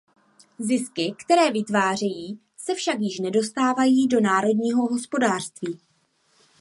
Zisky, které vytvářejí, se však již nedostávají do národního hospodářství.